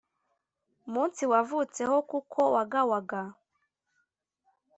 munsi wavutseho kuko wagawaga